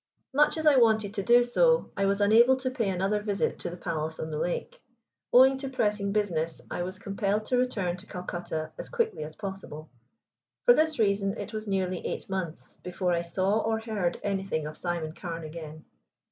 Much as I wanted to do so, I was unable to pay another visit to the palace on the lake. Owing to pressing business, I was compelled to return to Calcutta as quickly as possible. For this reason it was nearly eight months before I saw or heard anything of Simon Carne again.